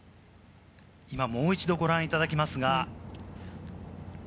もう一度、ご覧いただきます。